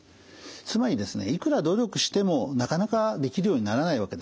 つまりですねいくら努力してもなかなかできるようにならないわけですね。